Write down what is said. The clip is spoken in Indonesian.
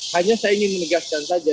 hanya saya ingin menegaskan saja